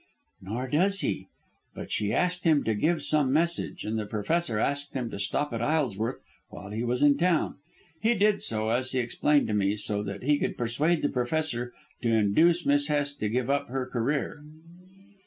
"Nor does he. But she asked him to give some message, and the Professor asked him to stop at Isleworth while he was in town. He did so, as he explained to me, so that he could persuade the Professor to induce Miss Hest to give up her career."